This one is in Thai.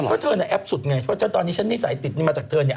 ก็เธอน่ะแอบสุดไงเพราะว่าตอนนี้ชั้นนิสัยติดมาจากเธอนี่